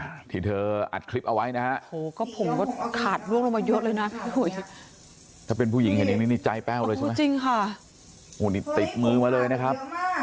ที่เธออัดคลิปเอาไว้นะฮะโหก็ผมก็ขาดล่วงลงมาเยอะเลยนะพี่อุ๋ยถ้าเป็นผู้หญิงเห็นอย่างนี้นี่ใจแป้วเลยใช่ไหมจริงค่ะโอ้นี่ติดมือมาเลยนะครับ